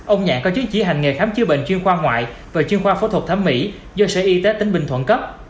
ông nhạn có chứng chỉ hành nghề khám chữa bệnh chuyên khoa ngoại và chuyên khoa phẫu thuật thẩm mỹ do sở y tế tỉnh bình thuận cấp